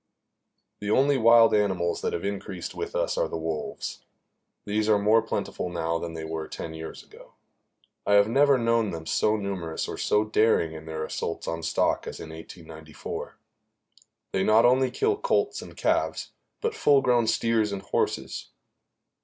The only wild animals that have increased with us are the wolves. These are more plentiful now than they were ten years ago. I have never known them so numerous or so daring in their assaults on stock as in 1894. They not only kill colts and calves, but full grown steers and horses.